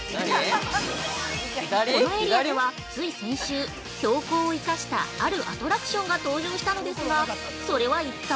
このエリアでは、つい先週、標高を生かしたあるアトラクションが登場したのですがそれは一体？